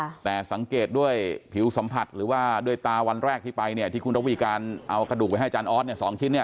ค่ะแต่สังเกตด้วยผิวสัมผัสหรือว่าด้วยตาวันแรกที่ไปเนี่ยที่คุณระวีการเอากระดูกไปให้อาจารย์ออสเนี่ยสองชิ้นเนี้ย